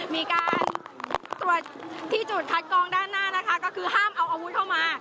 มีการตรวจที่จุดคัดกองด้านหน้านะคะก็คือห้ามเอาอาวุธเข้ามา